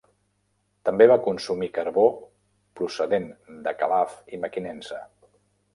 També va consumir carbó procedent de Calaf i Mequinensa.